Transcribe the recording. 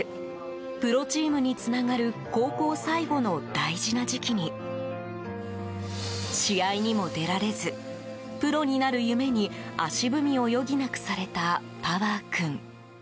プロチームにつながる高校最後の大事な時期に試合にも出られずプロになる夢に足踏みを余儀なくされたパワー君。